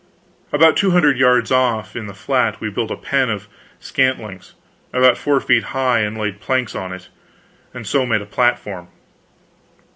About two hundred yards off, in the flat, we built a pen of scantlings, about four feet high, and laid planks on it, and so made a platform.